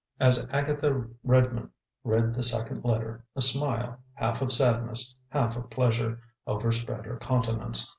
As Agatha Redmond read the second letter, a smile, half of sadness, half of pleasure, overspread her countenance.